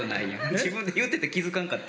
自分で言うてて気付かんかった？